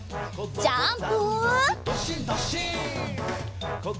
ジャンプ！